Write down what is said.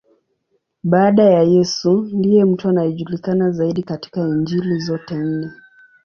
Baada ya Yesu, ndiye mtu anayejulikana zaidi katika Injili zote nne.